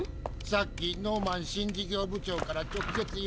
さっきノーマン新事業部長から直接言われた。